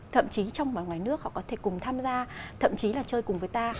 thậm chí trong và ngoài nước họ có thể cùng tham gia thậm chí là chơi cùng với ta